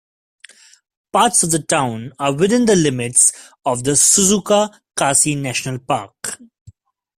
Parts of the town are within the limits of the Suzuka Quasi-National Park.